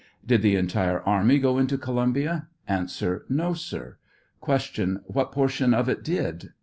Did the entire army go into Columbia? A. No, sir. 5 50 Q. What portion of it did